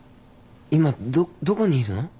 今どどこにいるの？